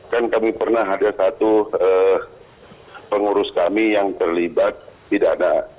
kan kami pernah ada satu pengurus kami yang terlibat pidana